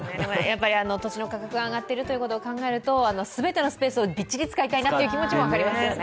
土地の価格が上がっていることを考えると、全てのスペースをぎっちり使いたいなという気持ちも分かりますよね。